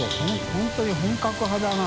本当に本格派だな。